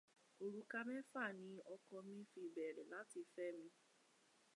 Òrùka mẹ́fà ní ọkọ́ mi fi béèrè láti fẹ́ mi.